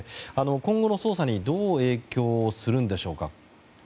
今後の捜査にどう影響するんでしょうか。